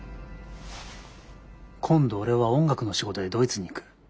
今度俺は音楽の仕事でドイツに行く。